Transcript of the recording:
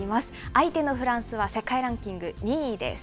相手のフランスは世界ランキング２位です。